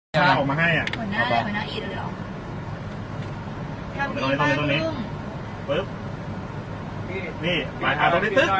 เมื่อเมื่อเมื่อเมื่อ